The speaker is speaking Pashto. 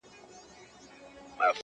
یو ګنجی خدای برابر پر دې بازار کړ،